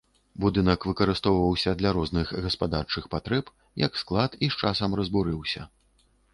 Будынак выкарыстоўваўся для розных гаспадарчых патрэб, як склад і з часам разбурыўся.